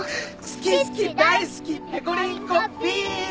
好き好き大好きペコリンコビーム。